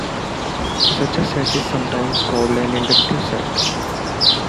Such a set is sometimes called an inductive set.